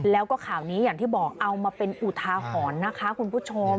แล้วก็ข่าวนี้อย่างที่บอกเอามาเป็นอุทาหรณ์นะคะคุณผู้ชม